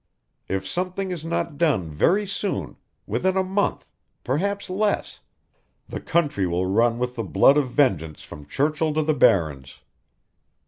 If something is not done very soon within a month perhaps less the country will run with the blood of vengeance from Churchill to the Barrens.